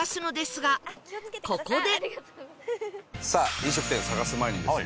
飲食店探す前にですね